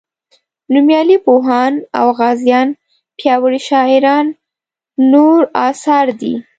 نومیالي پوهان او غازیان پیاوړي شاعران نور اثار دي.